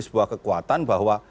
sebuah kekuatan bahwa